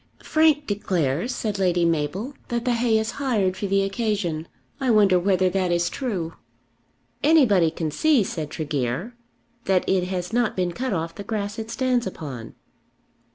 "Frank declares," said Lady Mabel, "that the hay is hired for the occasion. I wonder whether that is true." "Anybody can see," said Tregear, "that it has not been cut off the grass it stands upon."